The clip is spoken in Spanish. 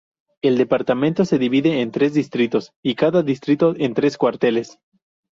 El Departamento se divide en tres distritos, y cada distrito en tres cuarteles.